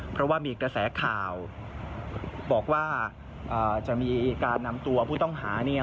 เพราะว่ามีกระแสข่าวบอกว่าจะมีการนำตัวผู้ต้องหา